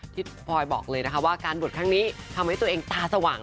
พลอยบอกเลยนะคะว่าการบวชครั้งนี้ทำให้ตัวเองตาสว่าง